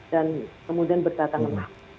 dan kemudian berdatangan